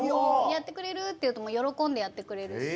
「やってくれる？」っていうとよろこんでやってくれるし。